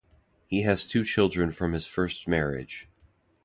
He has two children from his first marriage.